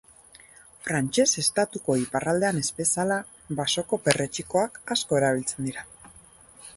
Frantses estatuko iparraldean ez bezala, basoko perretxikoak asko erabiltzen dira.